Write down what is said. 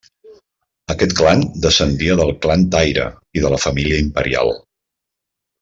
Aquest clan descendia del clan Taira i de la família imperial.